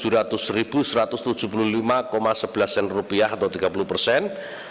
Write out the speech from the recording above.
rp dua puluh sembilan tujuh ratus satu ratus tujuh puluh lima sebelas sen atau tiga puluh persen